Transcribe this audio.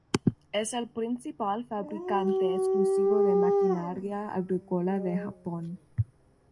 Es el principal fabricante exclusivo de maquinaria agrícola de Japón.